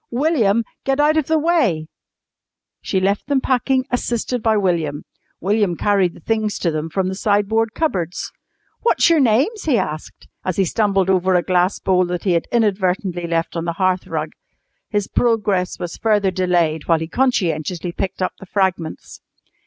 William, get out of the way!" She left them packing, assisted by William. William carried the things to them from the sideboard cupboards. "What's your names?" he asked, as he stumbled over a glass bowl that he had inadvertently left on the hearth rug. His progress was further delayed while he conscientiously picked up the fragments.